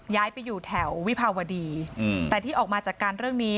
ย้ายไปอยู่แถววิภาวดีแต่ที่ออกมาจัดการเรื่องนี้